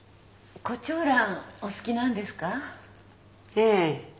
ええ。